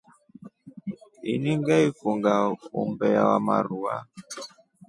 Ina ngefunga umbe wa marua.